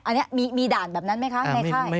อันนี้มีด่านแบบนั้นไหมคะ